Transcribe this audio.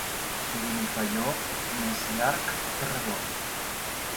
De Benifaió, més llarg que redó.